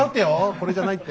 これじゃないって。